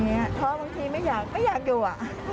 เพราะบางทีไม่อยากไม่อยากอยู่